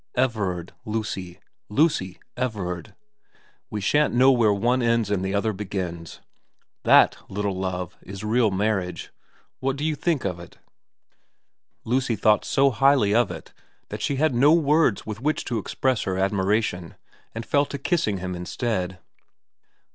Everard Lucy. Lucy Everard. We shan't know where one ends and the other begins. That, little Love, is real marriage. What do you think of it ?' Lucy thought so highly of it that she had no words with which to express her admiration, and fell to kissing him instead.